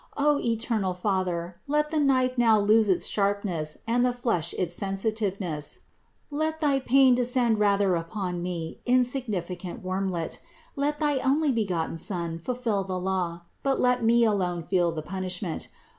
O eternal Father, let the knife now lose its sharpness and the flesh its sensitiveness! Let pain descend rather upon me, insignificant wormlet; let thy Onlybegotten Son fulfill the law, but let me alone feel the punishment.